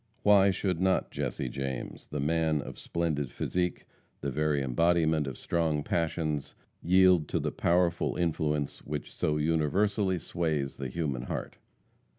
Why should not Jesse James, the man of splendid physique, the very embodiment of strong passions, yield to the powerful influence which so universally sways the human heart?